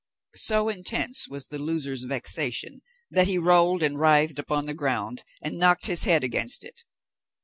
So intense was the loser's vexation, that he rolled and writhed upon the ground and knocked his head against it.